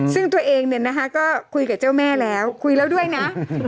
ซึ่งตัวเองก็คุยกับเจ้าแม่แล้วคุยแล้วด้วยนะ